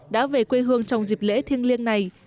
đã về quê hương trong dịp lễ thiêng liêng này